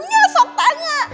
iya sok tanya